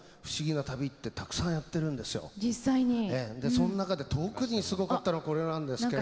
その中で特にすごかったのがこれなんですけれども。